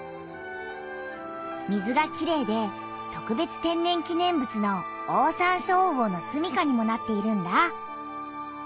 水がきれいで特別天然記念物のオオサンショウウオのすみかにもなっているんだ。